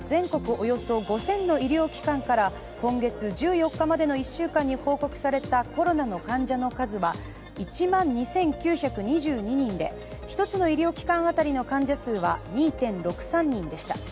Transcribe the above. およそ５０００の医療機関から今月１４日までの１週間に報告されたコロナの患者の数は１万２９２２人で、１つの医療機関当たりの患者数は２．６３人でした。